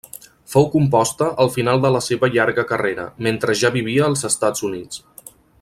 Fou composta al final de la seva llarga carrera, mentre ja vivia als Estats Units.